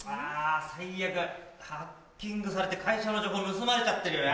ハッキングされて会社の情報盗まれちゃってるよ